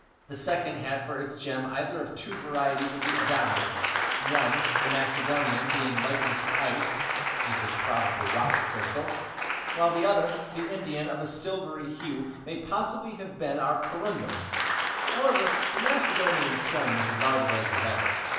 The second had for its gem either of two varieties of the adamas,—one, the Macedonian, being likened to ice (this was probably rock crystal), while the other, the Indian, of a silvery hue, may possibly have been our corundum; however, the Macedonian stone was regarded as the better.